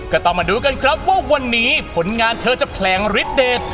ก็ต้องมาดูกันครับว่าวันนี้ผลงานเธอจะแผลงฤทธเดท